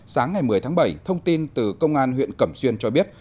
sáng ngày một mươi tháng bảy thông tin từ công an huyện cẩm xuyên cho biết